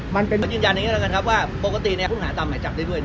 มันเป็นยืนยันอย่างนี้แล้วกันครับว่าปกติคุณหาตามหมายจับได้ด้วย